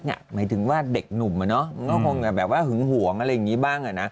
หมายถึงว่าเด็กหนุ่มมันก็คงหึงห่วงอะไรอย่างนี้บ้าง